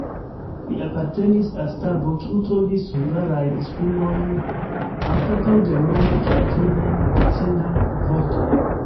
Li apartenis al stabo, kiu trovis hungarajn esprimojn anstataŭ germanaj kaj latinaj medicinaj vortoj.